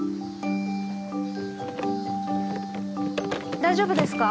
大丈夫ですか？